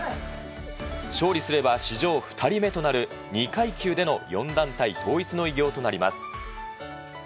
勝利すれば史上２人目となる２階級での４団体統一の偉業となります。